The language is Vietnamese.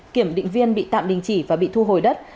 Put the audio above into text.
kiểm định viên bị tạm đình chỉ và bị thu hồi đất